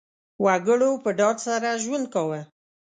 وګړو په ډاډ سره ژوند کاوه.